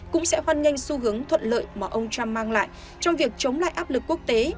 cũng sẽ hoan nghênh xu hướng thuận lợi mà ông trump mang lại trong việc chống lại áp lực quốc tế